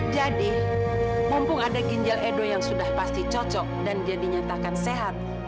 jadi mumpung ada ginjal edo yang sudah pasti cocok dan dia dinyatakan sehat